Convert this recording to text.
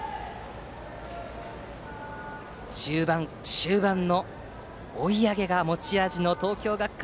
終盤の追い上げが持ち味の東京学館